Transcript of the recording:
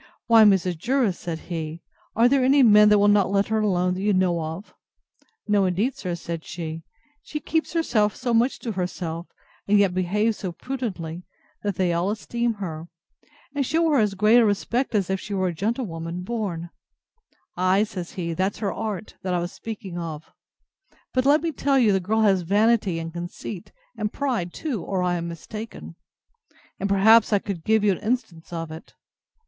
Why, Mrs. Jervis, said he, are there any men that will not let her alone, that you know of? No, indeed, sir, said she; she keeps herself so much to herself, and yet behaves so prudently, that they all esteem her, and shew her as great a respect as if she was a gentlewoman born. Ay, says he, that's her art, that I was speaking of: but, let me tell you, the girl has vanity and conceit, and pride too, or I am mistaken; and, perhaps, I could give you an instance of it.